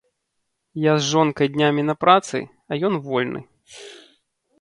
Я з жонкай днямі на працы, а ён вольны.